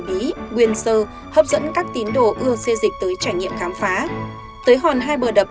bí quyền sơ hấp dẫn các tín đồ ưa xê dịch tới trải nghiệm khám phá tới hòn hai bờ đập